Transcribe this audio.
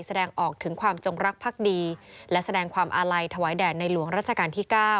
แสดงออกถึงความจงรักภักดีและแสดงความอาลัยถวายแด่ในหลวงรัชกาลที่๙